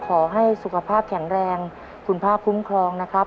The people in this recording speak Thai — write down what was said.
ขอให้สุขภาพแข็งแรงคุณพระคุ้มครองนะครับ